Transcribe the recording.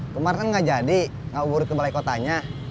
kemaren kan gak jadi gak uburi ke balai kotanya